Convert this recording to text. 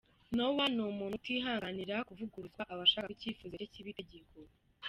Noah ni umuntu utihanganira kuvuguruzwa, aba ashaka ko icyifuzo cye kiba itegeko.